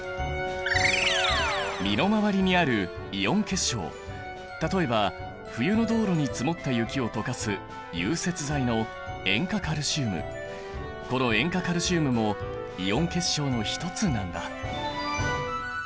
身の回りにあるイオン結晶例えば冬の道路に積もった雪をとかすこの塩化カルシウムもイオン結晶の一つなんだ。